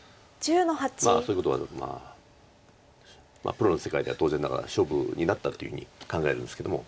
まあそういうことはプロの世界では当然ながら勝負になったというふうに考えるんですけども。